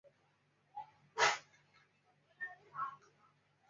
高台寺是位在日本京都府京都市东山区的临济宗建仁寺派寺院。